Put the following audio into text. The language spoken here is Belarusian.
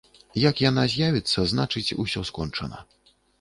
Як яна з'явіцца, значыць, усё скончана.